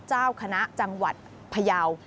เจ้าคณะจังหวัดพยาว